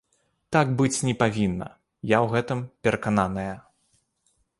Так быць не павінна, я ў гэтым перакананая.